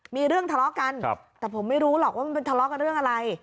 มีเรื่องทะเลาะกันแต่ผมไม่รู้หรอกว่ามันเป็นทะเลาะกันเรื่องอะไร